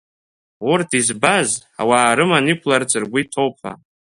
Урҭ избаз, ауаа рыман иқәыларц ргәы иҭоуп ҳәа.